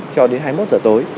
cho đến hai mươi một h tối